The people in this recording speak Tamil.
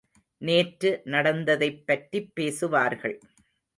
நேற்று நடந்ததைப் பற்றிப் பேசுவார்கள்.